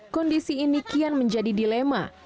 kondisi ini kian menjadi dilema